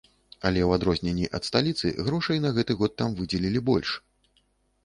Але ў адрозненні ад сталіцы грошай на гэты год там выдзелілі больш.